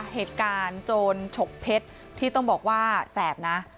เหตุการณ์โจรฉกเพชรที่ต้องบอกว่าแสบนะ